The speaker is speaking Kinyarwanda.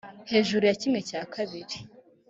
hejuru ya kimwe cya kabiri